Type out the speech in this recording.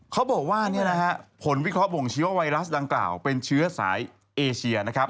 เขาบอกว่าผลวิเคราะห่งเชื้อไวรัสดังกล่าวเป็นเชื้อสายเอเชียนะครับ